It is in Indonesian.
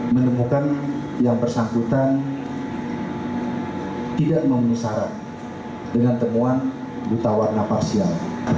mengkapal dia berarti mengkapal